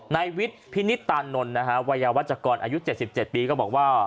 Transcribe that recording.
ในวิทย์พินิตตานนลนะฮะวัยวัตรจากกรอายุเจ็ดสิบเจ็ดปีก็บอกว่า